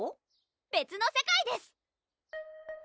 別の世界です！